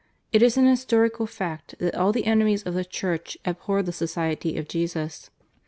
It is an historical fact that all the enemies of the Church abhor the Society of Jesus.